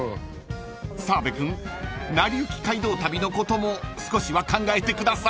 ［澤部君『なりゆき街道旅』のことも少しは考えてください］